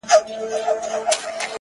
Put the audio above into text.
o په ډېري کې خوره، په لږي کې وېشه.